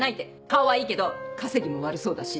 「顔はいいけど稼ぎも悪そうだし」